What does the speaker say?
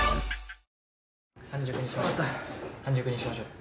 半熟にしましょう。